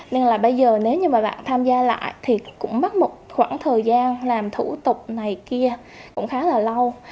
nên là bây giờ nếu như mà bạn tham gia lại thì cũng mất một khoảng thời gian làm thủ tục này kia cũng khá là lâu